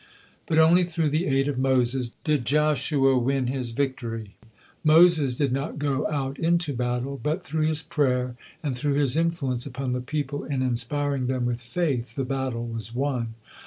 But only through the aid of Moses, did Joshua with his victory. Moses did not go out into battle, but through his prayer and through his influence upon the people in inspiring them with faith, the battle was won.